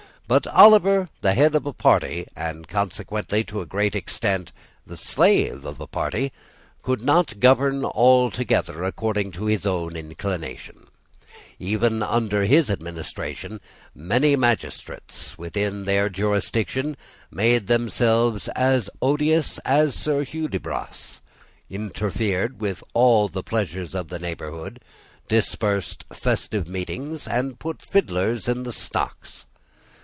But Oliver, the head of a party, and consequently, to a great extent, the slave of a party, could not govern altogether according to his own inclinations. Even under his administration many magistrates, within their own jurisdiction, made themselves as odious as Sir Hudibras, interfered with all the pleasures of the neighbourhood, dispersed festive meetings, and put fiddlers in the stocks.